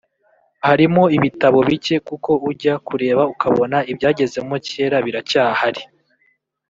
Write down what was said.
Harimo ibitabo bike kuko ujya kureba ukabona ibyagezemo kera biracyahari